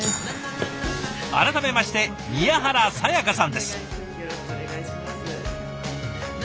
改めまして宮原彩さんです。